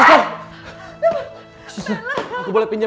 ichiko aku bukan pengiru